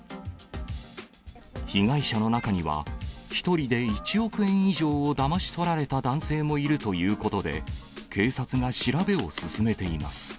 被害者の中には、１人で１億円以上をだまし取られた男性もいるということで、警察が調べを進めています。